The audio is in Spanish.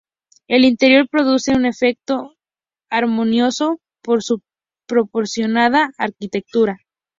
El interior produce un efecto armonioso por su proporcionada arquitectura.